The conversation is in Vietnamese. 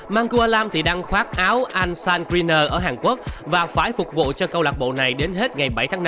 mangkualam thì đang khoát áo ansan greener ở hàn quốc và phải phục vụ cho câu lạc bộ này đến hết ngày bảy tháng năm